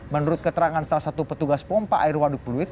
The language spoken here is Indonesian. menurut keterangan salah satu petugas pompa air waduk pluit